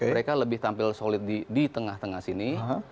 mereka tampil lebih solid di tengah tengah sini